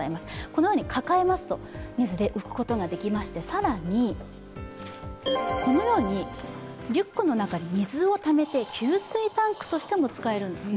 このように抱えますと水に浮くことができまして、更に、リュックの中に水をためて給水タンクとしても使えます。